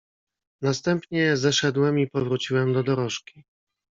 "Następnie zeszedłem i powróciłem do dorożki."